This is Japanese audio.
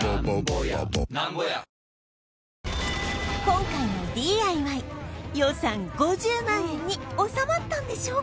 今回の ＤＩＹ 予算５０万円に収まったんでしょうか？